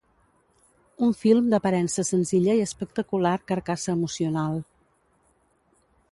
Un film d'aparença senzilla i espectacular carcassa emocional.